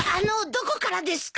どこからですか？